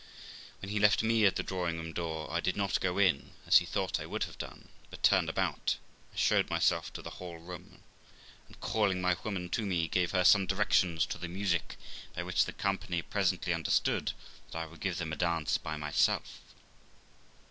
When he left me at the drawing room door, I did not go in, as he thought I would have done, but turned about and showed myself to the whole room, and, calling my woman to me, gave her some directions to the music, by which the company presently understood that I would give them a dance by myself.